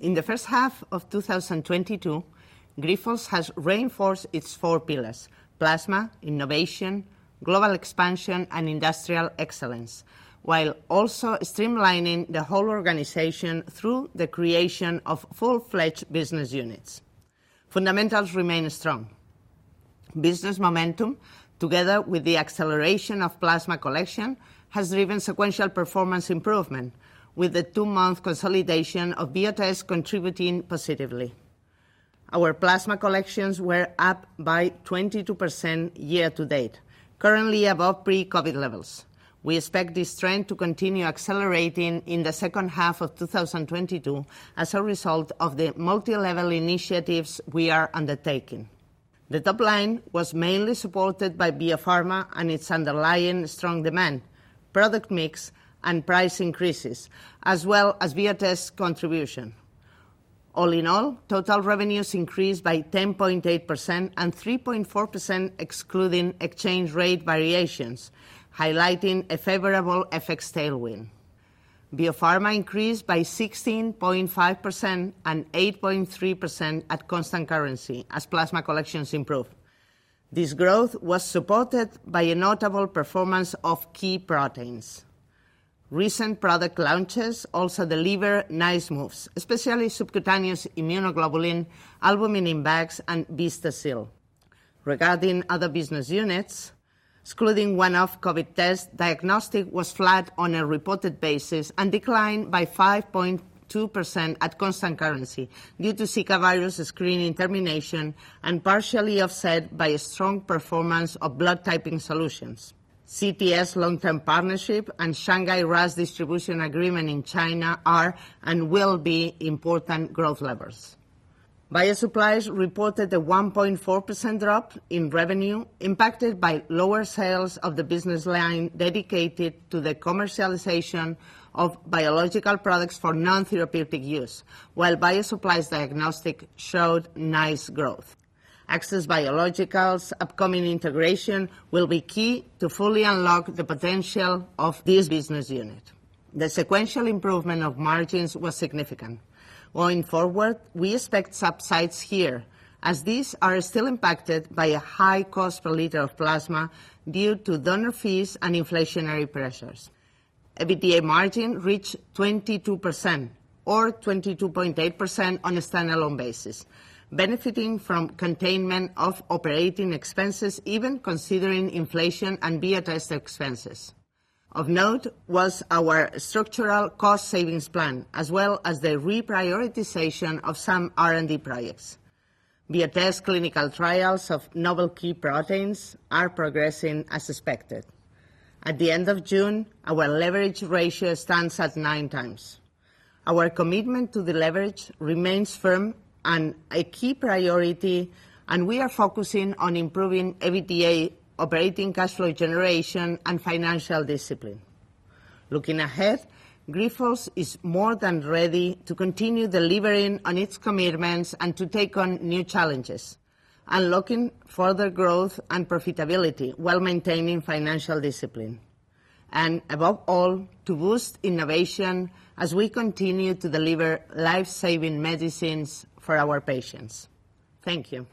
In the first half of 2022, Grifols has reinforced its four pillars, plasma, innovation, global expansion, and industrial excellence, while also streamlining the whole organization through the creation of full-fledged business units. Fundamentals remain strong. Business momentum, together with the acceleration of plasma collection, has driven sequential performance improvement, with the 2-month consolidation of Biotest contributing positively. Our plasma collections were up by 22% year to date, currently above pre-COVID levels. We expect this trend to continue accelerating in the second half of 2022 as a result of the multi-level initiatives we are undertaking. The top line was mainly supported by Biopharma and its underlying strong demand, product mix, and price increases, as well as Biotest contribution. All in all, total revenues increased by 10.8%, and 3.4% excluding exchange rate variations, highlighting a favorable FX tailwind. Biopharma increased by 16.5%, and 8.3% at constant currency as plasma collections improved. This growth was supported by a notable performance of key proteins. Recent product launches also deliver nice moves, especially subcutaneous immunoglobulin, albumin in bags, and VISTASEAL. Regarding other business units, excluding one-off COVID test, diagnostic was flat on a reported basis and declined by 5.2% at constant currency due to Zika virus screening termination and partially offset by a strong performance of blood typing solutions. CTS long-term partnership and Shanghai RAAS distribution agreement in China are and will be important growth levers. Bio Supplies reported a 1.4% drop in revenue impacted by lower sales of the business line dedicated to the commercialization of biological products for non-therapeutic use, while Bio Supplies diagnostic showed nice growth. Access Biologicals' upcoming integration will be key to fully unlock the potential of this business unit. The sequential improvement of margins was significant. Going forward, we expect upsides here, as these are still impacted by a high cost per liter of plasma due to donor fees and inflationary pressures. EBITDA margin reached 22%, or 22.8% on a standalone basis, benefiting from containment of operating expenses, even considering inflation and Biotest expenses. Of note was our structural cost savings plan, as well as the reprioritization of some R&D projects. Biotest clinical trials of novel key proteins are progressing as expected. At the end of June, our leverage ratio stands at 9x. Our commitment to the leverage remains firm and a key priority, and we are focusing on improving EBITDA, operating cash flow generation, and financial discipline. Looking ahead, Grifols is more than ready to continue delivering on its commitments and to take on new challenges, unlocking further growth and profitability while maintaining financial discipline. Above all, to boost innovation as we continue to deliver life-saving medicines for our patients. Thank you.